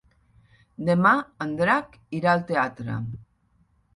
Demà en Drac irà al teatre.